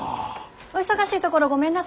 お忙しいところごめんなさい。